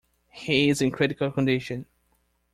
He's in critical condition.